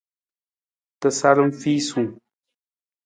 Tasaram fiisung.